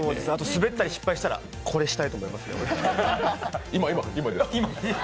滑ったり失敗したらこれ、したいと思います。